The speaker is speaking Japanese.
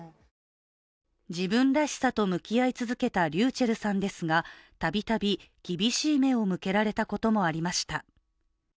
自分らしさと向き合い続けたｒｙｕｃｈｅｌｌさんですがたびたび厳しい目を向けられたこともありました。